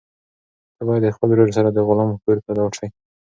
ته باید د خپل ورور سره د غلام کور ته لاړ شې.